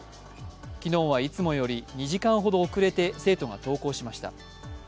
昨日はいつもより２時間ほど遅れて生徒が登校しました。